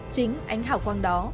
chính ánh hảo quang đó